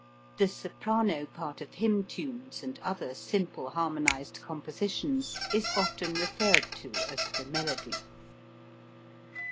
The soprano part of hymn tunes and other simple harmonized compositions is often referred to as "the melody."